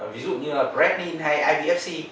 ví dụ như là breglin hay ivfc